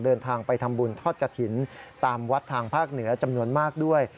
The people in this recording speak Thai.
เดินทางไปทำบุญทอดกระถิ่นตามวัดทางภาคเหนือจำนวนมากด้วย